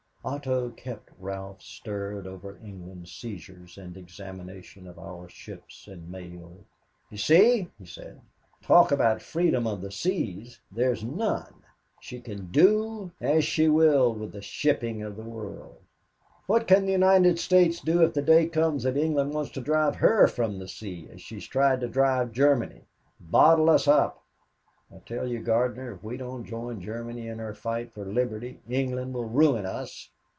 Otto kept Ralph stirred over England's seizures and examination of our ships and mail. "You see," he said, "talk about freedom of the seas there is none. She can do as she will with the shipping of the world. What can the United States do if the day comes that England wants to drive her from the sea as she has tried to drive Germany bottle us up. I tell you, Gardner, if we don't join Germany in her fight for liberty, England will ruin us.